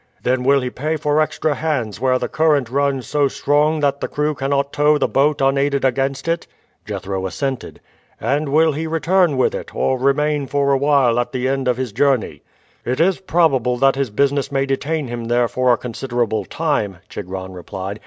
"Then will he pay for extra hands where the current runs so strong that the crew cannot tow the boat unaided against it?" Jethro assented. "And will he return with it, or remain for awhile at the end of his journey?" "It is probable that his business may detain him there for a considerable time," Chigron replied.